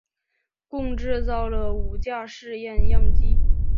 共制造了五架试验样机。